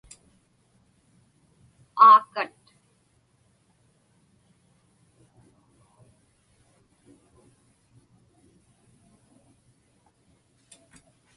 aakat